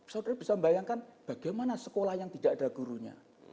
soalnya bisa bayangkan bagaimana sekolah yang tidak ada gurunya